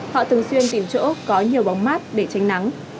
họ thường xuyên tìm chỗ có nhiều bóng mát để tránh nắng